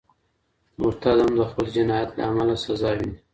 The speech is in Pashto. مرتد هم د خپل جنایت له امله سزا ویني.